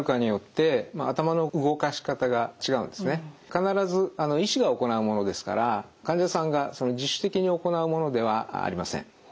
必ず医師が行うものですから患者さんが自主的に行うものではありません。